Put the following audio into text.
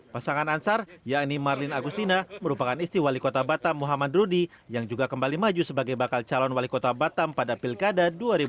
pasangan ansar yakni marlin agustina merupakan istri wali kota batam muhammad rudi yang juga kembali maju sebagai bakal calon wali kota batam pada pilkada dua ribu delapan belas